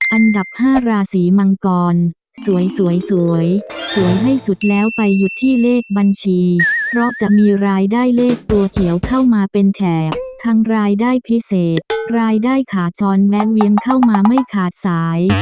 อันดับ๕ราศีมังกรสวยสวยสวยให้สุดแล้วไปหยุดที่เลขบัญชีเพราะจะมีรายได้เลขตัวเขียวเข้ามาเป็นแถบทั้งรายได้พิเศษรายได้ขาจรแว้นเวียนเข้ามาไม่ขาดสาย